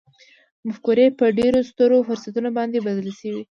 مفکورې په ډېرو سترو فرصتونو باندې بدلې شوې دي